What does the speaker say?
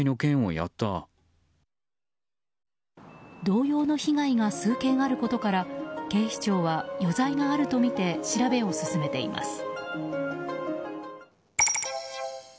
同様の被害が数件あることから警視庁は余罪があるとみて調べを進めています。